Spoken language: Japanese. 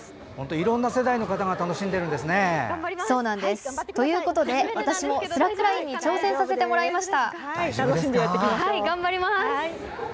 いろんな世代の方が楽しんでいるんですね。ということで私もスラックラインに大丈夫ですか？